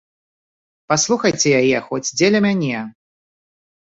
Паслухайце яе хоць дзеля мяне!